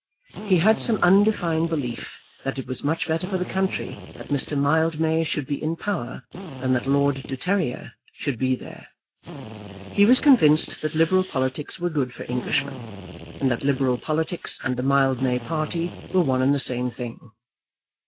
He had some undefined belief that it was much better for the country that Mr. Mildmay should be in power than that Lord de Terrier should be there. He was convinced that Liberal politics were good for Englishmen, and that Liberal politics and the Mildmay party were one and the same thing.